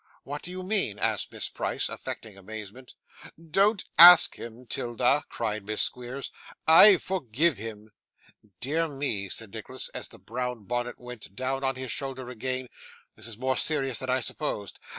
'What do you mean?' asked Miss Price, affecting amazement. 'Don't ask him, 'Tilda,' cried Miss Squeers; 'I forgive him.' 'Dear me,' said Nicholas, as the brown bonnet went down on his shoulder again, 'this is more serious than I supposed.